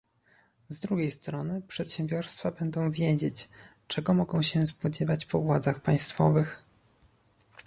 Z drugiej strony przedsiębiorstwa będą wiedzieć, czego mogą się spodziewać po władzach państwowych